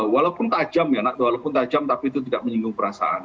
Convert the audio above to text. walaupun tajam ya nak walaupun tajam tapi itu tidak menyinggung perasaan